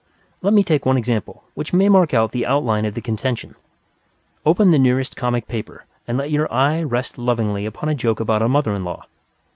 Let me take one example which may mark out the outline of the contention. Open the nearest comic paper and let your eye rest lovingly upon a joke about a mother in law.